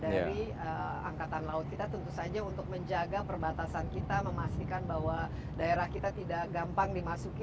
dari angkatan laut kita tentu saja untuk menjaga perbatasan kita memastikan bahwa daerah kita tidak gampang dimasuki